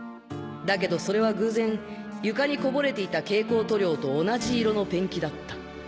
だけどそれは偶然床にこぼれていた蛍光塗料と同じ色のペンキだった。